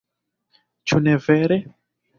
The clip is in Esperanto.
Ĉu ne vere?